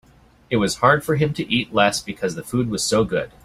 It was hard for him to eat less because the food was so good.